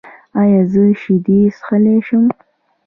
ایا زه شیدې څښلی شم؟